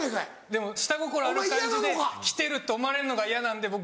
でも下心ある感じで来てると思われるのが嫌なんで僕